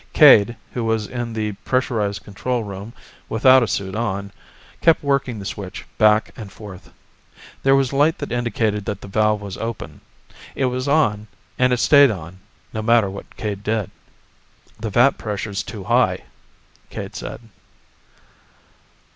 Cade, who was in the pressurized control room without a suit on, kept working the switch back and forth. There was light that indicated when the valve was open. It was on, and it stayed on, no matter what Cade did. "The vat pressure's too high," Cade said.